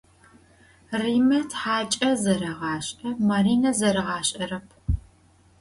Rime txaç'e zerêğaş'e, Marine zeriğaş'erep.